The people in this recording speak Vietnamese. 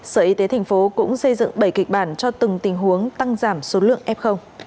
sở y tế thành phố cũng xây dựng bảy kịch bản cho từng tình huống tăng giảm số lượng f